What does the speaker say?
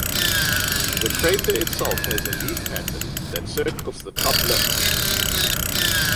The krater itself has a leaf pattern that circles the top lip.